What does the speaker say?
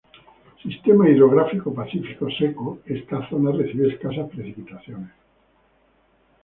Sistema Hidrográfico Pacífico Seco Esta zona recibe escasas precipitaciones.